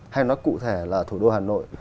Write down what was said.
hay nói cụ thể là thủ đô hà nội